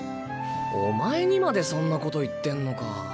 お前にまでそんなこと言ってんのか。